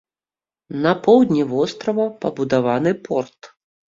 На поўдні вострава пабудаваны порт.